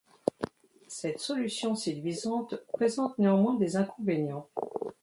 Cette solution séduisante présente néanmoins des inconvénients.